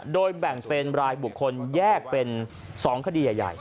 โดยแบ่งเป็นรายบุคคลแยกเป็น๒คดีใหญ่